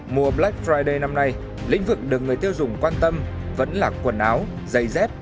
mùa black friday năm nay lĩnh vực được người tiêu dùng quan tâm vẫn là quần áo giày dép